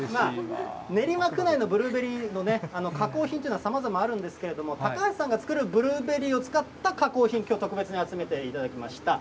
練馬区内のブルーベリーの加工品というのはさまざまあるんですけれども、高橋さんが作るブルーベリーを使った加工品、きょう特別に集めていただきました。